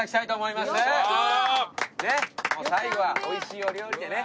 最後はおいしいお料理でね